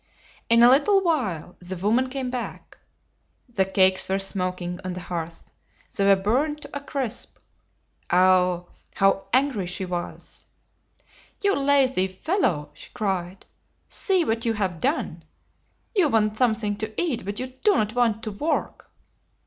In a little while the wom an came back. The cakes were smoking on the hearth. They were burned to a crisp. Ah, how angry she was! "You lazy fellow!" she cried. "See what you have done! You want some thing to eat, but you do not want to work!"